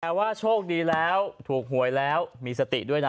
แต่ว่าโชคดีแล้วถูกหวยแล้วมีสติด้วยนะ